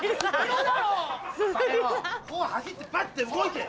こう走ってパッて動いて。